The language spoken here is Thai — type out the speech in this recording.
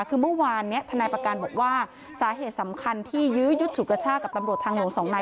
คือเมื่อวานนี้ทนายประการบอกว่าสาเหตุสำคัญที่ยื้อยุดฉุดกระชากกับตำรวจทางหลวงสองนาย